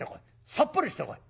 さっぱりしてこい。